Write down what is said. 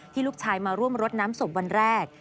ลูกชายมาร่วมรดน้ำศพวันแรก